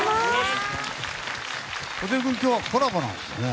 布袋君は今日はコラボなんだよね。